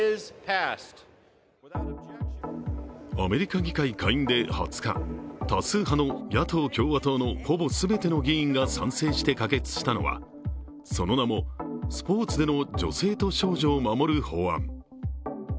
アメリカ議会下院で２０日、多数派の野党・共和党のほぼ全ての議員が賛成して可決したのはその名も、スポーツでの女性と少女を守る法案。